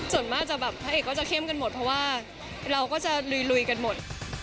ส่วนมากจะแบบพระเอกก็จะเข้มกันหมดเพราะว่าเราก็จะลุยกันหมด